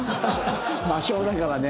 魔性だからね。